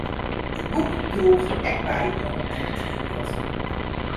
It boek droech ek by oan dat negative byld.